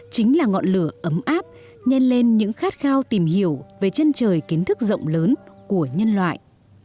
chính là ngọn lửa ấm áp nhn lên những khát khao tìm hiểu về chân trời kiến thức rộng lớn của nhân loại